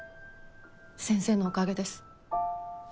先生のおかげです。